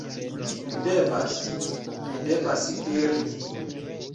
Mi devas, mi devas iri!